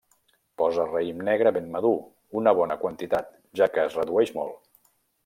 Posa raïm negre ben madur, una bona quantitat, ja que es redueix molt.